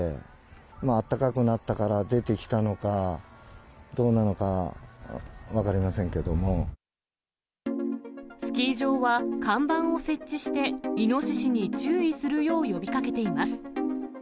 まあ、あったかくなったから出てきたのかどうなのか、分かりませんけどスキー場は看板を設置して、イノシシに注意するよう呼びかけています。